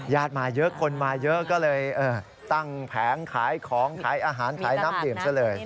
มาเยอะคนมาเยอะก็เลยตั้งแผงขายของขายอาหารขายน้ำดื่มซะเลย